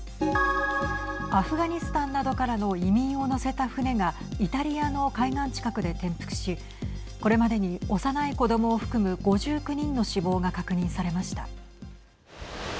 アフガニスタンなどからの移民を乗せた船がイタリアの海岸近くで転覆しこれまでに幼い子どもを含む５９人の死亡が確認されました。